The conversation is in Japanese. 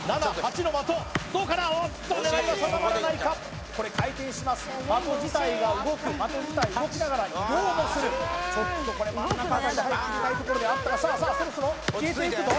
７８の的どうかおっと狙いが定まらないかこれ回転します的自体が動く的自体動きながら移動もするちょっとこれ真ん中辺りで早く決めたいところであったがさあさあそろそろ消えていくぞ